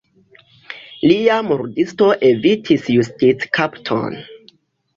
Lia murdisto evitis justickapton.